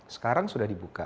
sekarang sudah dibuka